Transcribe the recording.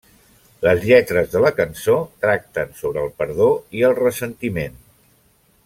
Les lletres de la cançó tracten sobre el perdó i el ressentiment.